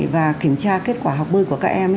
và kiểm tra kết quả học bơi của các em